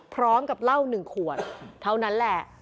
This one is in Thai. พร้อมกับเหล้า๑ขวดเท่านั้นแหละ